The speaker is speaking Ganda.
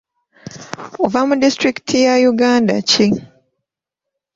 Ova mu disitulikiti ya Uganda ki?